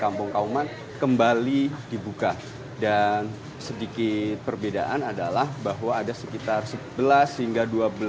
kampung kauman kembali dibuka dan sedikit perbedaan adalah bahwa ada sekitar sebelas hingga dua belas